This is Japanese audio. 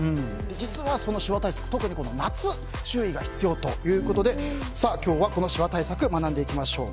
実は、そのシワ対策特に夏には注意が必要ということで今日はシワ対策を学んでいきましょう。